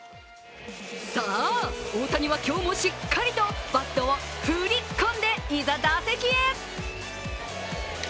さあ、大谷は今日もしっかりとバットを振り込んで、いざ打席へ。